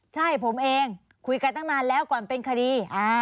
ใช่ผมเองคุยกันตั้งนานแล้วก่อนเป็นคดี